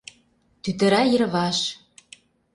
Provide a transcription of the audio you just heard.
Тӱтыра йырваш.